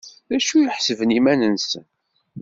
D acu i ḥesben iman-nsen?